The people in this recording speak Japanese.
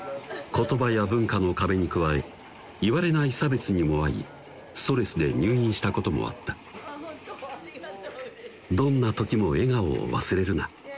言葉や文化の壁に加えいわれない差別にも遭いストレスで入院したこともあった「どんな時も笑顔を忘れるな」